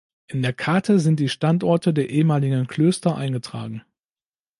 In der Karte sind die Standorte der ehemaligen Klöster eingetragen.